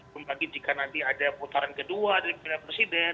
membagi jika nanti ada putaran kedua dari pilihan presiden